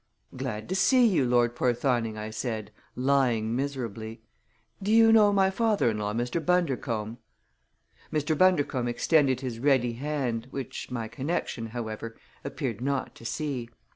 "Glad to see you, Lord Porthoning!" I said, lying miserably. "Do you know my father in law, Mr. Bundercombe?" Mr. Bundercombe extended his ready hand, which my connection, however, appeared not to see.